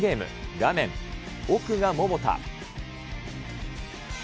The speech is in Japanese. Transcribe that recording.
画面奥が桃田。